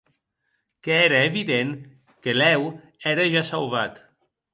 Qu’ère evident que lèu ère ja sauvat.